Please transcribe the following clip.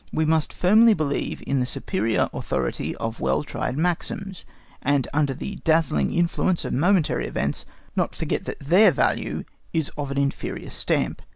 We must firmly believe in the superior authority of well tried maxims, and under the dazzling influence of momentary events not forget that their value is of an inferior stamp.